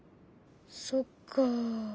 そっか。